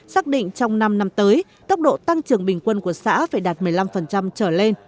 xác định trong năm năm tới tốc độ tăng trưởng bình quân của xã phải đạt một mươi năm trở lên